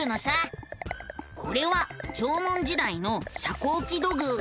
これは縄文時代の遮光器土偶。